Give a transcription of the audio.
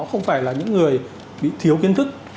không phải là những người bị thiếu kiến thức